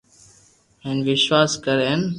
ھين وݾواس ڪر ھين